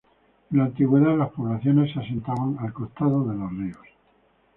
En la antigüedad las poblaciones se asentaban al costado de los ríos.